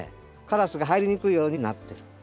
カラスが入りにくいようになってる。